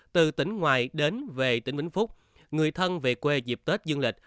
từ tỉnh ngoài đến về tỉnh vĩnh phúc người thân về quê dịp tết dương lịch